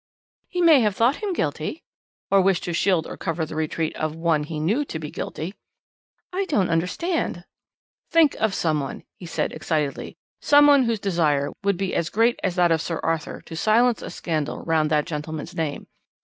"He may have thought him guilty." "Or wished to shield or cover the retreat of one he knew to be guilty." "I don't understand." "Think of someone," he said excitedly, "someone whose desire would be as great as that of Lord Arthur to silence a scandal round that gentleman's name.